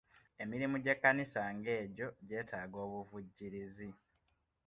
Emirimu gy'ekkanisa ng'egyo gyetaaga obuvujjirizi.